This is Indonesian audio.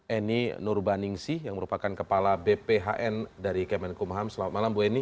eni nurbaningsi yang merupakan kepala bphn dari kemenkumham selamat malam bu eni